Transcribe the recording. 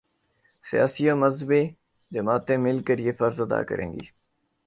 سیاسی و مذہبی جماعتیں مل کر یہ فرض ادا کریں گی۔